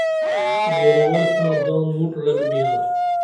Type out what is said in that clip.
زورٰ ور ساں دان مٹ رل بیاں